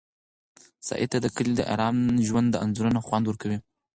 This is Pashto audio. سعید ته د کلي د ارام ژوند انځورونه خوند ورکوي.